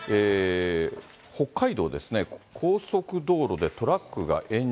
北海道ですね、高速道路でトラッ